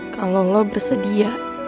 kalau lo bersedia